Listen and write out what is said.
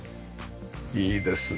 いいですね